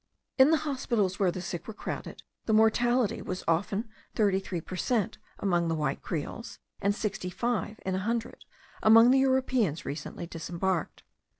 In the hospitals, where the sick were crowded, the mortality was often thirty three per cent among the white Creoles; and sixty five in a hundred among the Europeans recently disembarked.